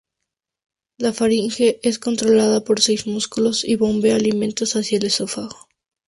La faringe, es controlada por seis músculos y bombea alimentos hacia el esófago.